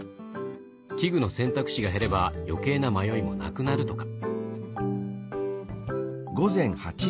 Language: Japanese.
器具の選択肢が減れば余計な迷いもなくなるとか。